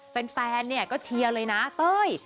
แฟนเนี่ยก็เชียร์เลยนะเต้ย